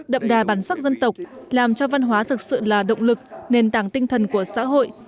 đậm đà bản sắc dân tộc làm cho văn hóa thực sự là động lực nền tảng tinh thần của xã hội